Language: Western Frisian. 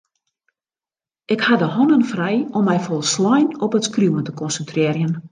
Ik ha de hannen frij om my folslein op it skriuwen te konsintrearjen.